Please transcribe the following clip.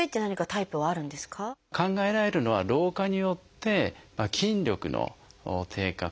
考えられるのは老化によって筋力の低下